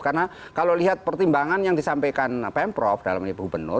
karena kalau lihat pertimbangan yang disampaikan pemprov dalam ibu benur